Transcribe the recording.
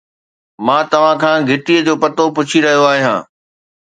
مان توهان کان گهٽي جو پتو پڇي رهيو آهيان